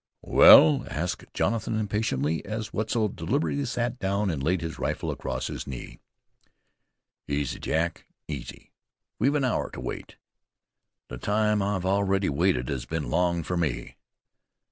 "Well?" asked Jonathan impatiently, as Wetzel deliberately sat down and laid his rifle across his knees. "Easy, Jack, easy. We've an hour to wait." "The time I've already waited has been long for me."